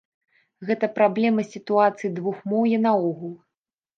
Гэта праблема сітуацыі двухмоўя наогул.